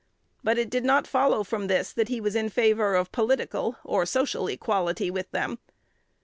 But it did not follow from this that he was in favor of political or social equality with them.